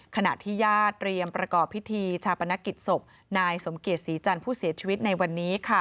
ขณะที่ญาติเตรียมประกอบพิธีชาปนกิจศพนายสมเกียจศรีจันทร์ผู้เสียชีวิตในวันนี้